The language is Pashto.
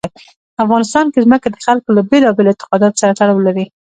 افغانستان کې ځمکه د خلکو له بېلابېلو اعتقاداتو سره تړاو لري.